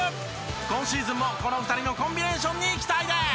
今シーズンもこの２人のコンビネーションに期待です！